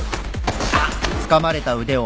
あっ！